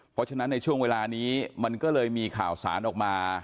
เพราะฉะนั้นในช่วงเวลานี้มันก็เลยมีข่าวสารออกมา